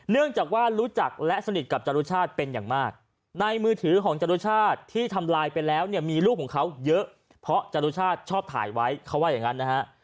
เนื่องจากว่ารู้จักและสนิทกับจรุชาติเป็นอย่างมากในมือถือของจรุชาติที่ทำลายไปแล้วเนี่ยมีลูกของเขาเยอะเพราะจรุชาติชอบถ่ายไว้เขาว่าอย่างนั้นนะฮะ